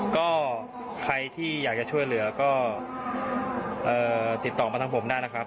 ก็ใครที่อยากจะช่วยเหลือก็ติดต่อมาทางผมได้นะครับ